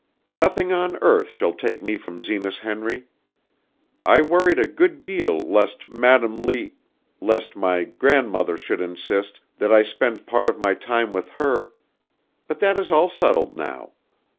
"Nothing on earth shall take me from Zenas Henry! I worried a good deal lest Madam L lest my grandmother should insist that I spend part of my time with her. But that is all settled now.